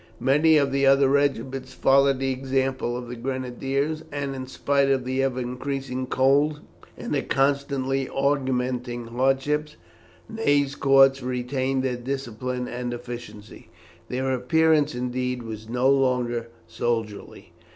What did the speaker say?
Many of the other regiments followed the example of the grenadiers, and, in spite of the ever increasing cold and the constantly augmenting hardships, Ney's corps retained their discipline and efficiency. Their appearance, indeed, was no longer soldierly.